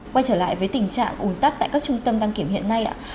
quay trở lại với tình trạng ủn tắc tại các trung tâm đăng kiểm hiện nay ạ